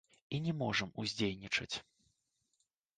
І не можам уздзейнічаць.